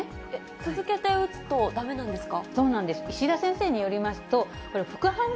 続けて打つとだめなんですか？